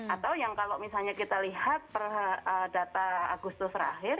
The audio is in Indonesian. atau yang kalau misalnya kita lihat per data agustus terakhir